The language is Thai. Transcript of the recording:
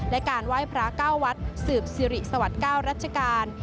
และการไหว้พระ๙วัดสืบสิริสวัสดิ์๙รัชกาล